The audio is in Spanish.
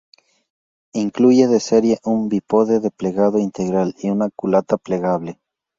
Incluye de serie un bípode de plegado integral y una culata plegable.